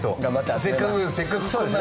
せっかくせっかくこんな。